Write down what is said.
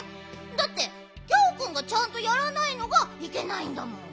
だってギャオくんがちゃんとやらないのがいけないんだもん。